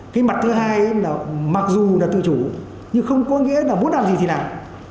cái mặt thứ hai là mặc dù là tự chủ nhưng không có nghĩa là bố làm gì thì làm